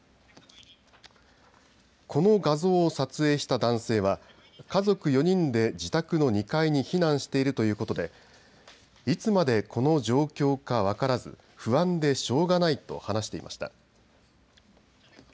この画像を撮影した男性は家族４人で自宅の２階に避難しているということでいつまでこの状況か分からず不安でしょうがないと話していました。